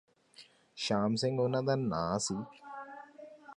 ਸ਼ਾਮ ਸਿੰਘ ਉਹਨਾਂ ਦਾ ਨਾਂ ਸੀ